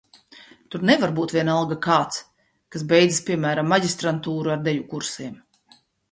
Tur nevar būt vienalga kāds, kas beidzis, piemēram, maģistrantūru ar deju kursiem.